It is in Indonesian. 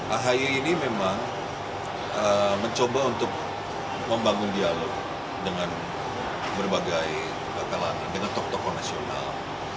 ahy ini memang mencoba untuk membangun dialog dengan berbagai bakalan dengan tok tok nasional